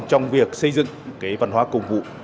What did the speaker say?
trong việc xây dựng cái văn hóa công vụ